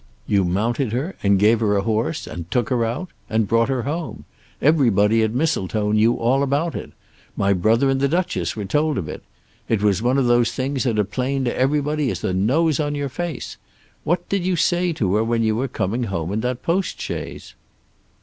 You mounted her, and gave her a horse, and took her out, and brought her home. Everybody at Mistletoe knew all about it. My brother and the Duchess were told of it. It was one of those things that are plain to everybody as the nose on your face. What did you say to her when you were coming home in that postchaise?"